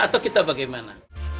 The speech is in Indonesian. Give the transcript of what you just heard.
atau kita bagaimana